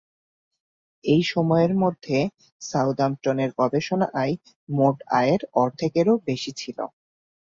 এই সময়ের মধ্যে, সাউদাম্পটনের গবেষণা আয় মোট আয়ের অর্ধেকেরও বেশি ছিল।